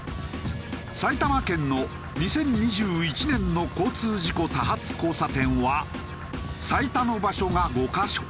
埼玉県の２０２１年の交通事故多発交差点は最多の場所が５カ所。